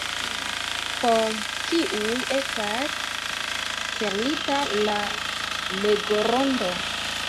Por kiuj estas celita la legorondo?